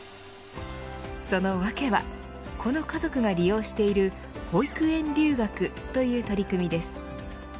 その訳はこの家族が利用している保育園留学という取り組みです。